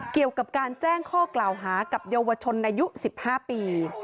เกี่ยวกับการแจ้งข้อกล่าวหากับเยาวชนอายุ๑๕ปี